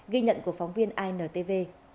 ghi nhận của phóng viên intv